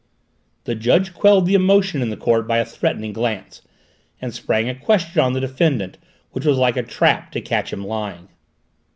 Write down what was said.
The judge quelled the emotion in the court by a threatening glance, and sprang a question on the defendant which was like a trap to catch him lying.